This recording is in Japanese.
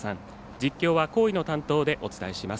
実況は厚井の担当でお伝えします。